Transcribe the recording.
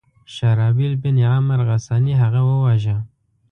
شهرابیل بن عمرو غساني هغه وواژه.